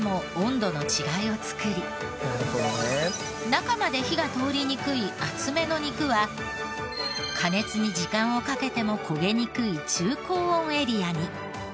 中まで火が通りにくい厚めの肉は加熱に時間をかけても焦げにくい中高温エリアに。